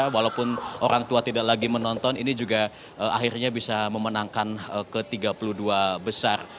walaupun orang tua tidak lagi menonton ini juga akhirnya bisa memenangkan ke tiga puluh dua besar